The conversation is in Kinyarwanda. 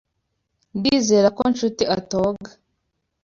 Ndizera ko Nshuti atoga.